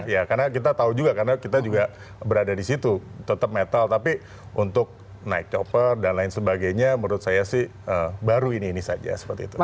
iya kan kita tau juga karena kita berada di situ tetep metal tapi untuk naik chopper dan lain sebagainya menurut saya sih baru ini ini sepatu itu